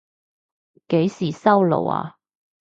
幾時收爐啊？